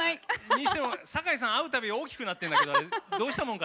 にしても酒井さん会うたび大きくなってるんだけどあれどうしたもんかね？